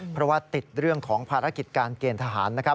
เพราะว่าติดเรื่องของภารกิจการเกณฑ์ทหารนะครับ